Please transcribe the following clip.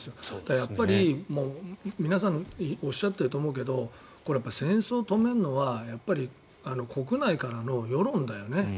やっぱり、皆さんおっしゃっていると思うけど戦争を止めるのはやっぱり国内からの世論だよね。